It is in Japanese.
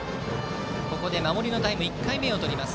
ここで守りのタイム１回目を取ります